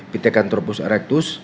pitekan turpus erectus